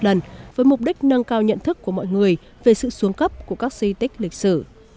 lần với mục đích nâng cao nhận thức của mọi người về sự xuống cấp của các di tích lịch sử